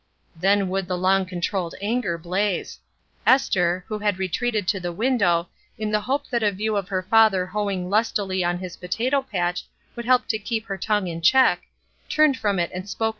Then would the long controlled anger blaze. Esther who had retreated to the window m Th^pe that a view of her father hoemg utUy on his potato patch would help to keep her tongue in check, turned from rt and spoke ^Z^.